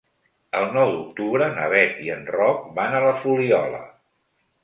El nou d'octubre na Bet i en Roc van a la Fuliola.